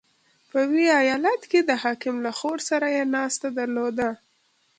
• په ویي ایالت کې د حاکم له خور سره یې ناسته درلوده.